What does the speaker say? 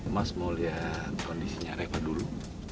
mas mau liat kondisinya reka dulu